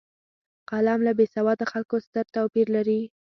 قلم له بېسواده خلکو ستر توپیر لري